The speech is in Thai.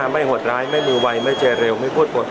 ไม่หวดร้ายไม่มือวัยไม่เจเร็วไม่พูดหมด